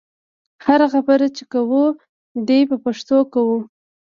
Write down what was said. هره خبره چې کوو دې په پښتو کوو.